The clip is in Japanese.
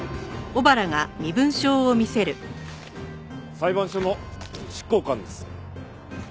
裁判所の執行官です。